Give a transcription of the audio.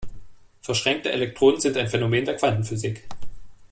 Verschränkte Elektronen sind ein Phänomen der Quantenphysik.